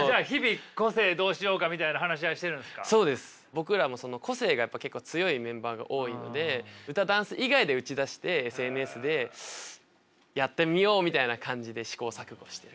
僕らも個性がやっぱ結構強いメンバーが多いので歌ダンス以外で打ち出してＳＮＳでやってみようみたいな感じで試行錯誤してる。